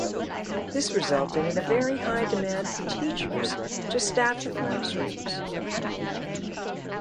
This resulted in a very high demand for teachers to staff the classrooms.